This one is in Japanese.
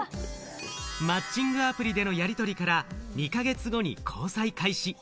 マッチングアプリでのやりとりから２か月後に交際開始。